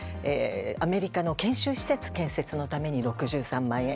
アメリカの研修施設建設のために６３万円。